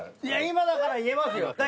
いや今だから言えますよ。